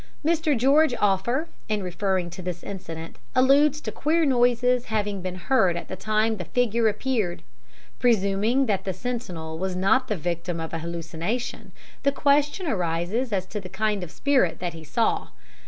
Mr. George Offer, in referring to this incident, alludes to queer noises having been heard at the time the figure appeared. Presuming that the sentinel was not the victim of an hallucination, the question arises as to the kind of spirit that he saw.